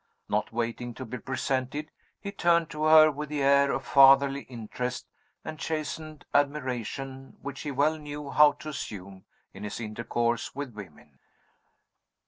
Not waiting to be presented, he turned to her with the air of fatherly interest and chastened admiration which he well knew how to assume in his intercourse with women.